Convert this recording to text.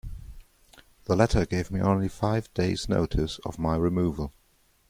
The letter gave me only five days' notice of my removal.